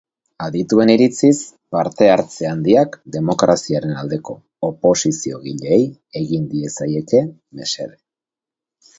Adituen iritziz, parte-hartze handiak demokraziaren aldeko oposiziogileei egin liezaieke mesede.